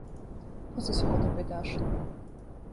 "Po co się o to pytasz?"